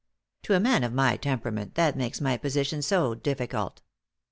To a man of my temperament that makes my position so difficult.